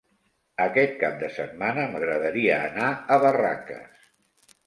Aquest cap de setmana m'agradaria anar a Barraques.